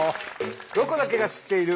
「ロコだけが知っている」！